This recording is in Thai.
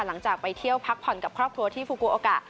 หลังจากไปเที่ยวพักผ่อนกับครอบครัวที่ฟูกูโอกะ